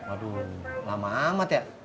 aduh lama amat ya